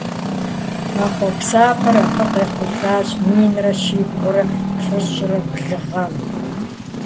А хъуэпсапӏэр абы къехъулӏащ минрэ щибгъурэ плӏыщӏрэ блы гъэм.